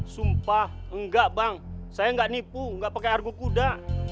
sumpah enggak bang saya nggak nipu nggak pakai argo kuda